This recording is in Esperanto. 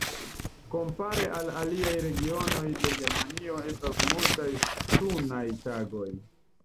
Kompare al aliaj regionoj de Germanio estas multaj sunaj tagoj.